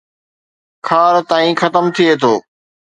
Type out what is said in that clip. خار تائين ختم ٿئي ٿو